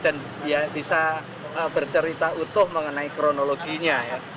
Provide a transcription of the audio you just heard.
dan dia bisa bercerita utuh mengenai kronologinya ya